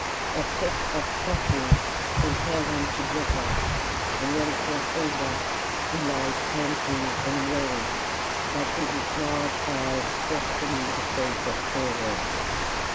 A fit of coughing compelled him to break off, and when it was over, he lay panting and weary, but with his large eyes questioning the face of Polwarth.